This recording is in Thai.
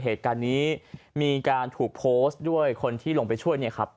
เหตุการณ์นี้มีการถูกโพสต์ด้วยคนที่ลงไปช่วยเนี่ยครับ